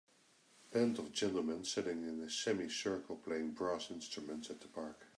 Band of gentlemen sitting in a semi circle playing brass instruments at the park